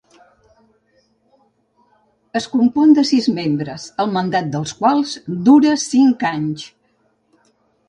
Es compon de sis membres, el mandat dels quals dura cinc anys.